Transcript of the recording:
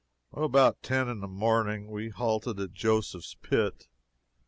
About ten in the morning we halted at Joseph's Pit.